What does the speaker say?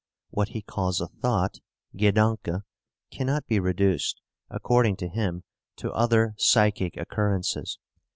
What he calls a thought (Gedanke) cannot be reduced, according to him, to other psychic occurrences.